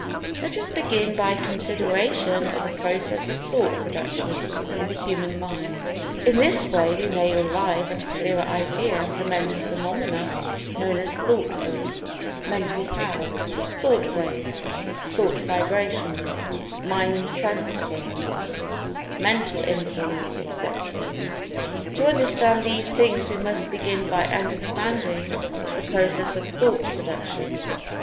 Let us begin by a consideration of the process of Thought production in the Human Mind. In this way we may arrive at a clearer idea of the Mental Phenomena known as Thought Force; Mental Power; Thought waves; Thought vibrations; Mind transference; Mental Influence, etc. To understand these things we must begin by understanding the Process of Thought production.